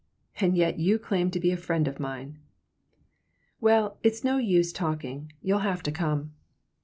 And yet you claim to be a friend of mine." "Well, it's no use talking. You'll have to come."